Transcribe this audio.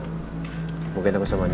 mungkin aku sama andi sama sama lagi lelah ya